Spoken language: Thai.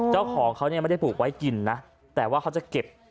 เจ้าของเขาเนี่ยไม่ได้ปลูกไว้กินนะแต่ว่าเขาจะเก็บ